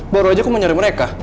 baru aja aku mau nyari mereka